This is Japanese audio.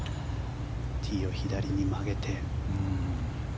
ティーを左に曲げて。